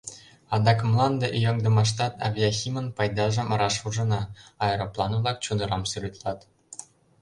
Адак мланде ӱяҥдымаштат авиахимын пайдажым раш ужына: аэроплан-влак чодырам сӱретлат.